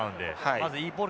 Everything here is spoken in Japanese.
まずいいボール